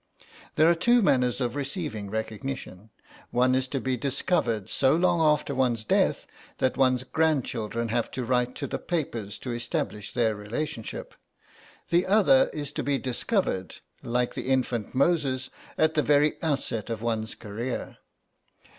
There are two manners of receiving recognition: one is to be discovered so long after one's death that one's grandchildren have to write to the papers to establish their relationship; the other is to be discovered, like the infant Moses, at the very outset of one's career.